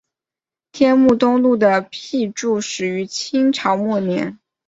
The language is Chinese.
天目东路的辟筑始于清朝末年。